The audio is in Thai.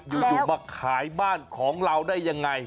อยู่มาขายบ้านของเราได้ยังไง